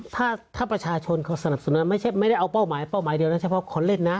ถ้าประชาชนเขาสนับสนุนไม่ได้เอาเป้าหมายเป้าหมายเดียวนะเฉพาะคนเล่นนะ